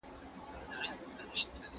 د کابل ارغوان ښکل کړه